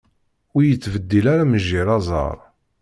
Ur yettbeddil ara mejjir aẓar.